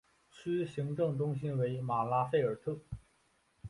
区行政中心为马拉费尔特。